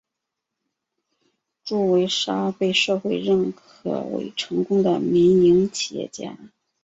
祝维沙被社会认可为成功的民营企业家。